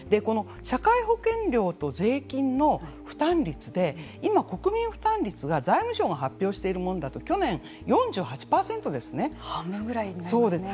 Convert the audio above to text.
社会保険料と税金の負担率で今、国民負担率が財務省が発表しているものだと半分ぐらいになりますね。